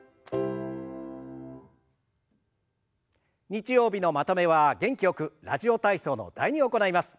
日曜日のまとめは元気よく「ラジオ体操」の「第２」を行います。